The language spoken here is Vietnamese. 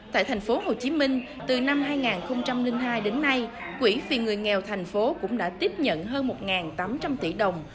tại thành phố hồ chí minh từ năm hai nghìn hai đến nay quỹ vì người nghèo thành phố cũng đã tiếp nhận hơn một tám trăm linh tỷ đồng